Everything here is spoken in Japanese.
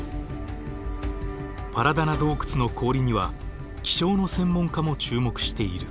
パラダナ洞窟の氷には気象の専門家も注目している。